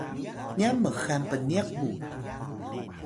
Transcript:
nyan mxal pniq mu